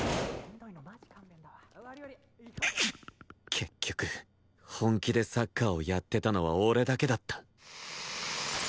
結局本気でサッカーをやってたのは俺だけだった